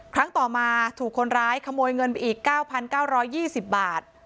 ครั้งต่อมาถูกคนร้ายขโมยเงินไปอีก๙๙๒๐บาท